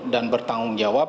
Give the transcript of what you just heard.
dan bertanggung jawab